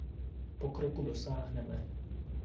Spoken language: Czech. Pokroku dosáhneme.